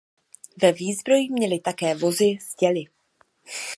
Ve výzbroji měly také vozy s děly.